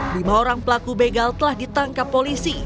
lima orang pelaku begal telah ditangkap polisi